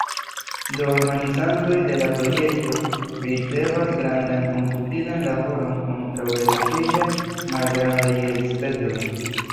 Do organizantoj de la projekto ricevas grandan komputilan laboron kontraŭ relative malgrandaj elspezoj.